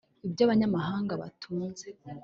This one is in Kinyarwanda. ibyo abanyamahanga batunze